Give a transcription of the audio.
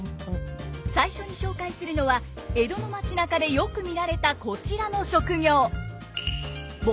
最初に紹介するのは江戸の町なかでよく見られたこちらの職業！